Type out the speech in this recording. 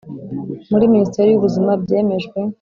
muri Minisiteri y Ubuzima byemejwe